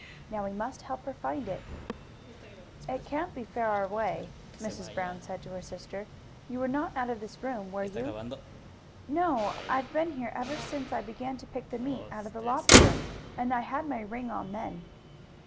Now we must help her find it." "It can't be far away," Mrs. Brown said to her sister. "You were not out of this room, were you?" "No, I've been here ever since I began to pick the meat out of the lobster, and I had my ring on then."